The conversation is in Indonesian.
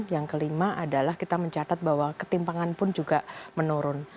yang kelima adalah kita mencatat bahwa ketimpangan pun juga menurun